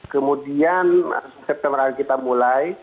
kemudian september kita mulai